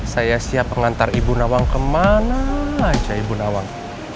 saya siap mengantar ibu nawang kemana aja ibu nawang